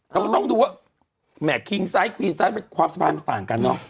เราก็ต้องดูว่าแหม่คิงซ้ายครีนซ้ายความสบายมันต่างกันเนอะ